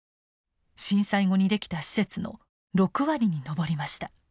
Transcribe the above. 震災後にできた施設の６割に上りました。